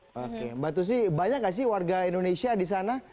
oke mbak tusi banyak gak sih warga indonesia di sana